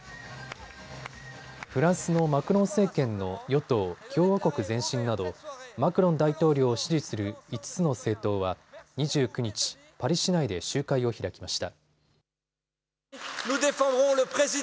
フランスのマクロン政権の与党、共和国前進などマクロン大統領を支持する５つの政党は２９日、パリ市内で集会を開きました。